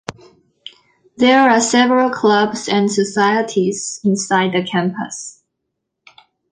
There are several clubs and societies inside the campus.